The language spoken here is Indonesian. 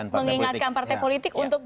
mengingatkan partai politik untuk